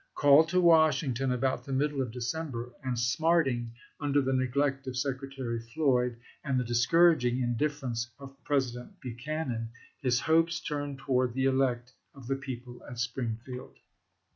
Called to Washington about the middle of December, and smarting under the neglect of Secretary Floyd and the discouraging indifference of President Buchanan, his hopes turned toward the elect of the people at Springfield.